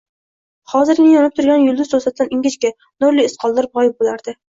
Hozirgina yonib turgan yulduz to‘satdan ingichka, nurli iz qoldirib g‘oyib bo‘lardi.